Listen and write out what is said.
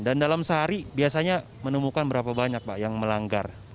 dan dalam sehari biasanya menemukan berapa banyak pak yang melanggar